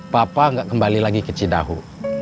papa nggak kembali lagi ke cidahu